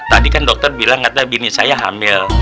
tadi kan dokter bilang katanya gini saya hamil